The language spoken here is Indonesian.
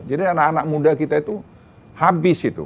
jadi anak anak muda kita itu habis itu